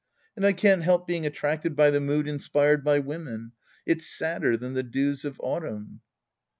And I can't help being attracted by the mood inspired by women. It's sadder than the dews of autumn.